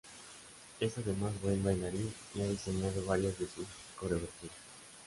Es además buen bailarín, y ha diseñado varias de sus coreografías.